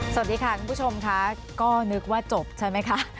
สวัสดีค่ะคุณผู้ชมค่ะก็นึกว่าจบใช่ไหมคะ